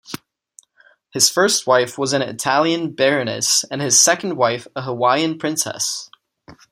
His first wife was an Italian Baroness and his second wife a Hawaiian princess.